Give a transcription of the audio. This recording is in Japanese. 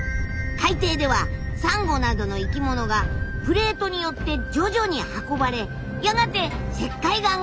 海底ではサンゴなどの生き物がプレートによって徐々に運ばれやがて石灰岩が出来た！